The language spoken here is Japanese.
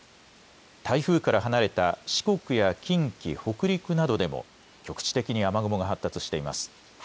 台風から離れた四国や近畿、北陸などでも局地的に雨雲が発達しています。